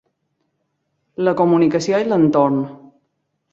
La comunicació i l'entorn